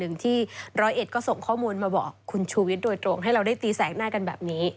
ที่ร้อยเอ็ดก็ส่งข้อมูลมาบอกคุณชูวิทย์โดยตรงให้เราได้ตีแสกหน้ากันแบบนี้